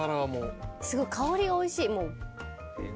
すごい香りがおいしいもう。